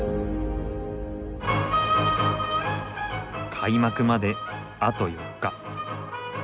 開幕まであと４日。